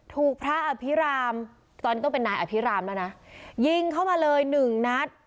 ถูกพระอภิรามตอนนี้ก็เป็นนายอภิรามแล้วนะยิงเข้ามาเลยหนึ่งนัด